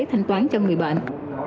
thanh toán cho người bệnh